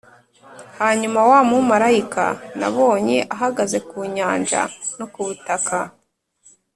Hanyuma wa mumarayika nabonye ahagaze ku nyanja no ku butaka?